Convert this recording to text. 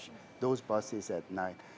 pembawa bus itu pada malam